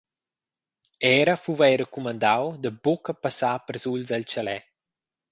Era fuva ei recumandau da buca passar persuls el tschaler.